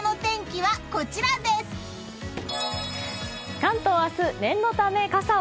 関東明日、念のため傘を。